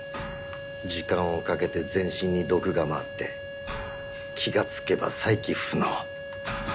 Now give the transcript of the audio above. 時間をかけて全身に毒が回って気が付けば再起不能。